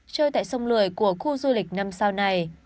chơi tại sông lười của khu du lịch năm sao này